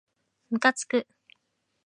むかつく